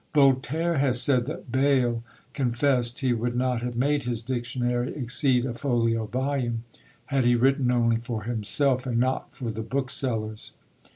Voltaire has said that Bayle confessed he would not have made his Dictionary exceed a folio volume, had he written only for himself, and not for the booksellers.